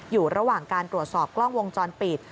อยู่ระหว่างการตรวจสอบกล้องวงจรปิด